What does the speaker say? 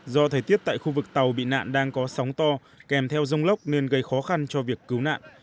do thời tiết tại khu vực tàu bị nạn đang có sóng to kèm theo rông lốc nên gây khó khăn cho việc cứu nạn